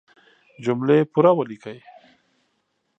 جملې پوره وليکئ!